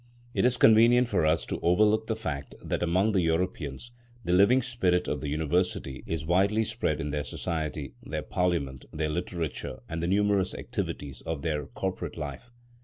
It is convenient for us to overlook the fact that among the Europeans the living spirit of the University is widely spread in their society, their parliament, their literature, and the numerous activities of their corporate life.